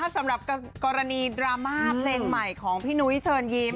สำหรับกรณีดราม่าเพลงใหม่ของพี่นุ้ยเชิญยิ้ม